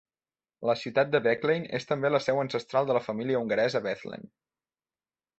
La ciutat de Beclean és també la seu ancestral de la família hongaresa Bethlen.